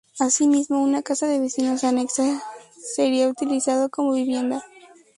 Así mismo, una casa de vecinos anexa sería utilizada como vivienda.